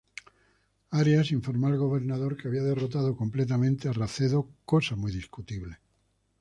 Arias informó al gobernador que había derrotado completamente a Racedo, cosa muy discutible.